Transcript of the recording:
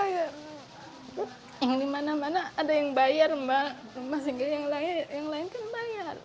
yang di mana mana ada yang bayar rumah singga yang lain kan bayar